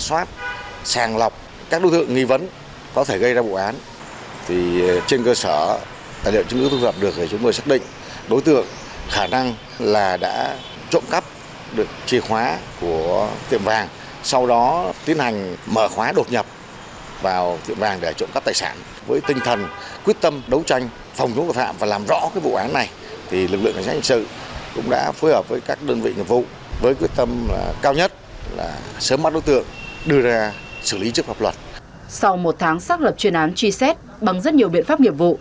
sau một tháng xác lập chuyên án truy xét bằng rất nhiều biện pháp nghiệp vụ